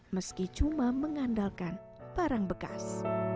meski cuma mengandalkan barang bekas